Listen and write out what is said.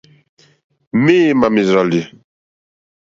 Méémà mèrzàlì.